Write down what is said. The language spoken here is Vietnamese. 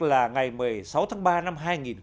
là ngày một mươi sáu tháng ba năm hai nghìn một mươi sáu